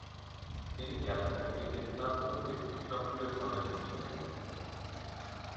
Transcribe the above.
তিনি 'Calcutta Cricket Club' কমিটির সক্রিয় সদস্য ছিলেন।